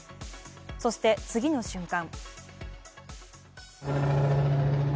そして、次の瞬間